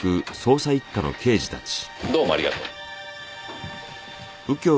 どうもありがとう。